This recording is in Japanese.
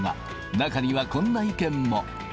中には、こんな意見も。